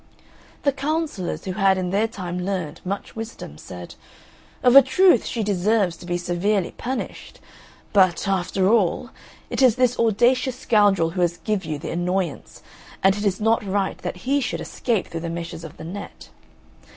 The Councillors, who had in their time learned much wisdom, said, "Of a truth she deserves to be severely punished. But, after all, it is this audacious scoundrel who has give you the annoyance, and it is not right that he should escape through the meshes of the net.